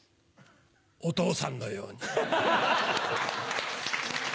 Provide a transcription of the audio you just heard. お父さんのように。